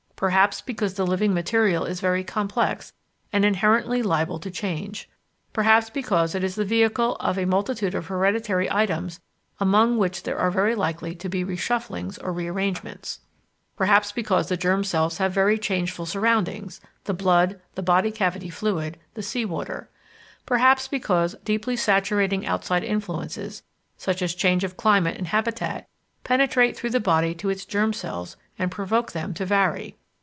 Perhaps because the living material is very complex and inherently liable to change; perhaps because it is the vehicle of a multitude of hereditary items among which there are very likely to be reshufflings or rearrangements; perhaps because the germ cells have very changeful surroundings (the blood, the body cavity fluid, the sea water); perhaps because deeply saturating outside influences, such as change of climate and habitat, penetrate through the body to its germ cells and provoke them to vary.